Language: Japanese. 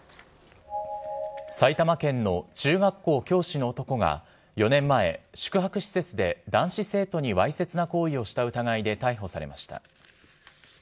埼玉県の中学校教師の男が、４年前、宿泊施設で男子生徒にわいせつな行為をした疑いで逮捕されました。